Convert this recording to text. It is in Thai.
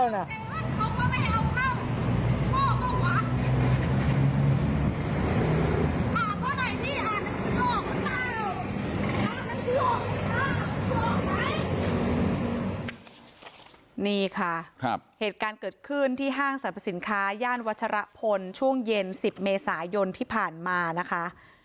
นี่ค่ะเหตุการณ์เกิดขึ้นที่ห้างสรรพสินค้าย่านวัชรพลช่วงเย็น๑๐เมษายนที่ผ่านมานะคะ